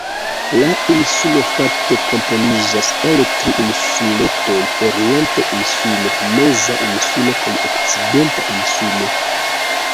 La insulo fakte komponiĝas el tri insuletoj: Orienta Insulo, Meza Insulo kaj Okcidenta Insulo.